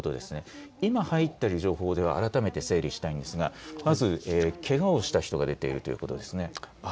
今入っている情報を改めて整理したいんですがまずけがをした人が出ているということですね。